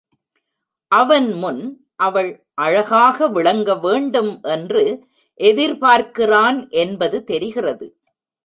அவன் முன் அவள் அழகாக விளங்க வேண்டும் என்று எதிர்பார்க்கிறான் என்பது தெரிகிறது.